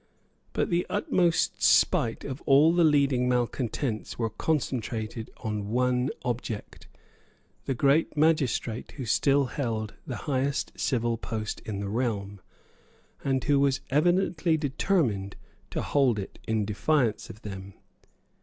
But the utmost spite of all the leading malecontents were concentrated on one object, the great magistrate who still held the highest civil post in the realm, and who was evidently determined to hold it in defiance of them.